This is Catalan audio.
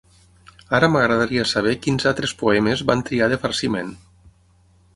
Ara m'agradaria saber quins altres poemes van triar de farciment.